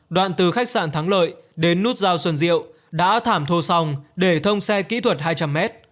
đoạn từ khách sạn thắng lợi đến nút giao xuân diệu đã thảm thô xong để thông xe kỹ thuật hai trăm linh mét